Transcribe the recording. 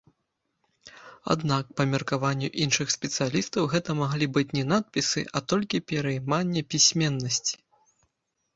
Аднак, па меркаванню іншых спецыялістаў, гэта маглі быць не надпісы, а толькі перайманне пісьменнасці.